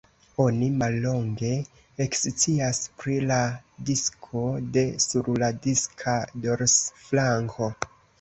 Oni mallonge ekscias pri la disko de sur la diska dorsflanko.